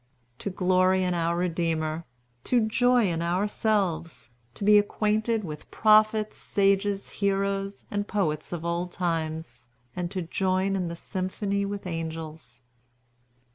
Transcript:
To glory in our Redeemer, to joy in ourselves, to be acquainted with prophets, sages, heroes, and poets of old times, and to join in the symphony with angels."